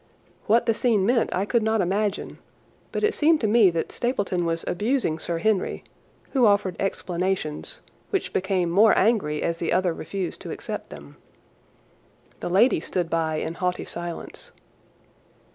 What the scene meant I could not imagine, but it seemed to me that Stapleton was abusing Sir Henry, who offered explanations, which became more angry as the other refused to accept them. The lady stood by in haughty silence.